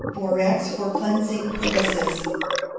Borax for Cleansing Purposes.